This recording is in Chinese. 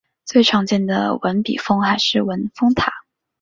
最常见的文笔峰还是文峰塔。